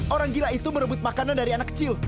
orang gila itu berebut makanan dari anak kecil